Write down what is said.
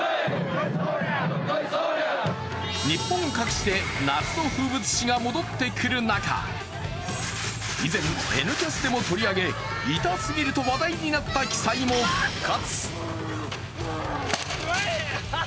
日本各地で夏の風物詩が戻ってくる中、以前、「Ｎキャス」でも取り上げ痛すぎると話題になった奇祭も復活。